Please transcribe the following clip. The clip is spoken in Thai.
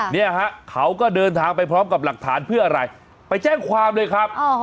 เนี่ยฮะเขาก็เดินทางไปพร้อมกับหลักฐานเพื่ออะไรไปแจ้งความเลยครับ